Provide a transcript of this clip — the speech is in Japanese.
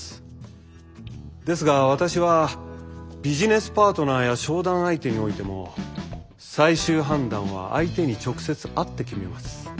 ですが私はビジネスパートナーや商談相手においても最終判断は相手に直接会って決めます。